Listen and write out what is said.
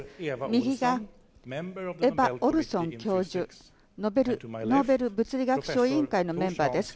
右がエバ・オルソン教授、ノーベル物理学賞委員会のメンバーです。